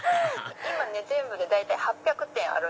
今全部で大体８００点ある。